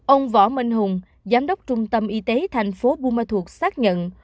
ông võ minh hùng giám đốc trung tâm y tế thành phố buôn ma thuột xác nhận